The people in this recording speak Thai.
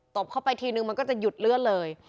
บเข้าไปทีนึงมันก็จะหยุดเลื่อนเลย